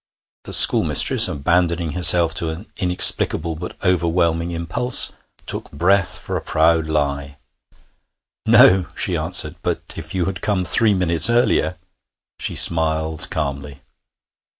The schoolmistress, abandoning herself to an inexplicable but overwhelming impulse, took breath for a proud lie. 'No,' she answered; 'but if you had come three minutes earlier ' She smiled calmly.